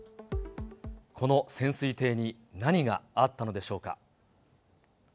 この潜水艇に何があったのでしょうか。